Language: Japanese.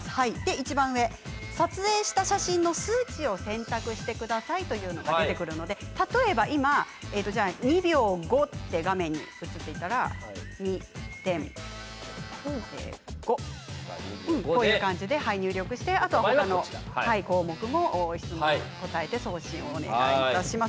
一番上、撮影した写真の数値を選択してくださいと出てくるので例えば今２秒５って映っていたら２．５と入力してあとは、他の項目も質問に答えて送信をお願いします。